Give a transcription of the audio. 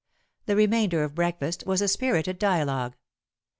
The remainder of breakfast was a spirited dialogue.